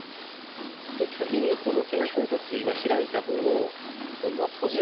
で次にこの肩甲骨今開いた分を今度は閉じる。